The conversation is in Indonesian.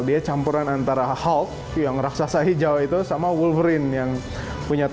dia campuran antara hulk yang raksasa hijau itu sama wolverine yang punya tuanku